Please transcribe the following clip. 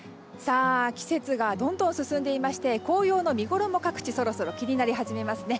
季節がどんどん進んでいまして紅葉の見ごろも各地そろそろ気になり始めますね。